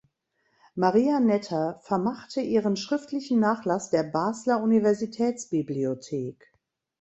Maria Netter vermachte ihren schriftlichen Nachlass der Basler Universitätsbibliothek.